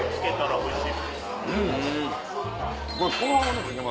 おいしい。